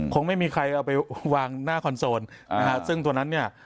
คงไม่มีใครเอาไปวางหน้าคอนโซลนะฮะซึ่งตัวนั้นเนี่ย